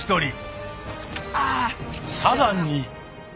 さらに！